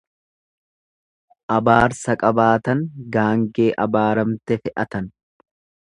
Abaarsa qabaatan gaangee abaaramte fe'atan.